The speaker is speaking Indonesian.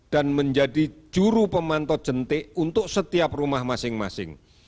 menjadi juru pemantau jentik untuk setiap rumah masing masing